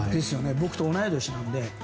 僕と同い年なので。